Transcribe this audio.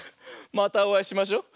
またおあいしましょう。